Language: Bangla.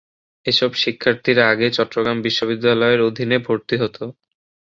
এসব শিক্ষার্থীরা আগে চট্টগ্রাম বিশ্ববিদ্যালয়ের অধীনে ভর্তি হত।